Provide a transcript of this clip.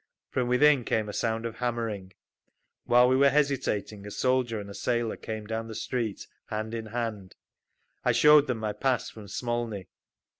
From within came a sound of hammering. While we were hesitating, a soldier and a sailor came down the street, hand in hand. I showed them my pass from Smolny.